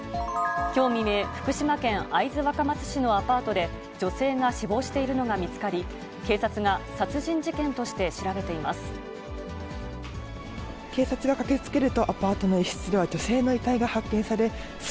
きょう未明、福島県会津若松市のアパートで、女性が死亡しているのが見つかり、警察が殺人事件として調べています。